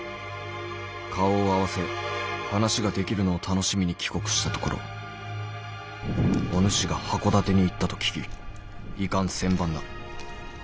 顔を合わせ話ができるのを楽しみに帰国したところお主が箱館に行ったと聞き遺憾千万だ。